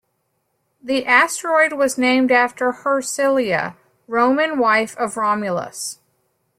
The asteroid was named after Hersilia, Roman wife of Romulus.